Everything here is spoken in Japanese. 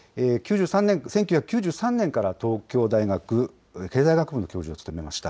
１９９３年から東京大学経済学部の教授を務めました。